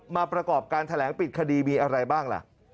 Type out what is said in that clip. ประกอบการแถลงปิดคดีมีอะไรบ้างล่ะ